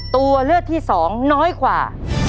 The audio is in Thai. ตัวเลือกที่๒น้อยกว่า